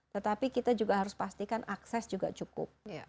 tetapi kita juga harus pastikan akses juga cukup